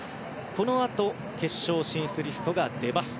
このあと決勝進出リストが出ます。